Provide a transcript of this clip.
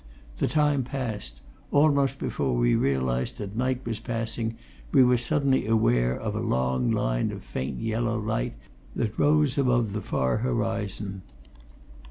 The time passed almost before we realized that night was passing, we were suddenly aware of a long line of faint yellow light that rose above the far horizon.